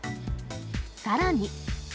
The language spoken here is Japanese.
さらに。